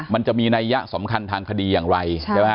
มันจะมีนัยยะสำคัญทางคดีอย่างไร